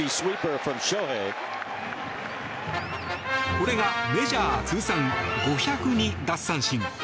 これがメジャー通算５０２奪三振。